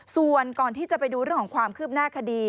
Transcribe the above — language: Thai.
ส่วนก่อนที่จะไปดูเรื่องของความคืบหน้าคดี